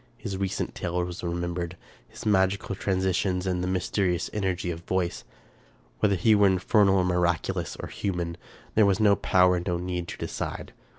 His recent tale was remembered ; his magical transitions and mysterious energy of voice. Whether he were infernal or miraculous or human, there was no power and no need to decide.